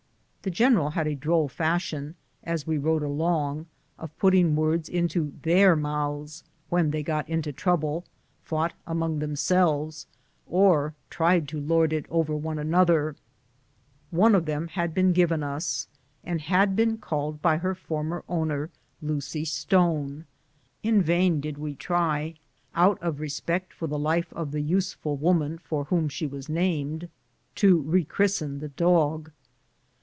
Tiie general had a droll fiishion, as we rode along, of putting words into 56 BOOTS AND SADDLES. their mouths when thej got into trouble, fought among themselves, or tried to lord it over one another. One of them had been given us, and had been called by her former owner "Lucy Stone." In vain did we try, out of respect for the life of the useful woman for whom she was named, to rechristen the dog.